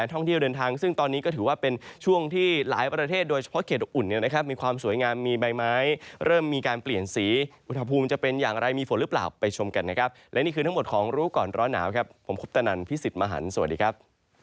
ท่องเที่ยวเดินทางซึ่งตอนนี้ก็ถือว่าเป็นช่วงที่หลายประเทศโดยเฉพาะเขตอุ่นเนี่ยนะครับมีความสวยงามมีใบไม้เริ่มมีการเปลี่ยนสีอุณหภูมิจะเป็นอย่างไรมีฝนหรือเปล่าไปชมกันนะครับและนี่คือทั้งหมดของรู้ก่อนร้อนหนาวครับผมคุปตนันพี่สิทธิ์มหันฯสวัสดีครับ